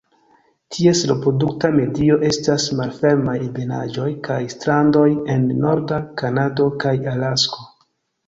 Ties reprodukta medio estas malfermaj ebenaĵoj kaj strandoj en norda Kanado kaj Alasko.